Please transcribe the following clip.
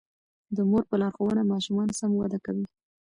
د مور په لارښوونه ماشومان سم وده کوي.